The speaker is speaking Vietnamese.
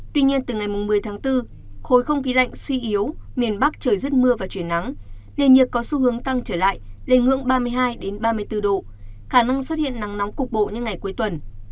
tuy nhiên từ ngày một mươi tháng bốn khối không khí lạnh suy yếu miền bắc trời rất mưa và chuyển nắng nền nhiệt có xu hướng tăng trở lại lên ngưỡng ba mươi hai ba mươi bốn độ khả năng xuất hiện nắng nóng cục bộ như ngày cuối tuần